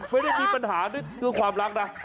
ไม่ได้มีปัญหาด้วยความรักนะ